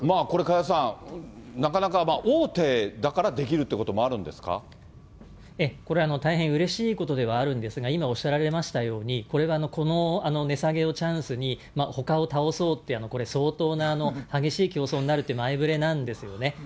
これ加谷さん、なかなか大手だからできるっていうこともあるええ、これ、大変うれしいことではあるんですが、今おっしゃられましたように、これはこの値下げをチャンスに、ほかを倒そうっていう、これ、相当な激しい競争になるっていう前触れなんですよね。